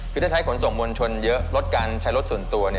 คือถ้าใช้ขนส่งมวลชนเยอะลดการใช้รถส่วนตัว